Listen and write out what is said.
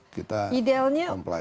jadi kita kemampuai kesana